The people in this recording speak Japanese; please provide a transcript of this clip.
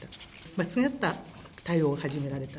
間違った対応を始められた。